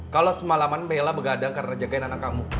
kalo semalaman bella begadang karena jagain anak kamu